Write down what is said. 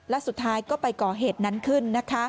และสุดท้ายก็ไปก่อเหตุนั้นขึ้น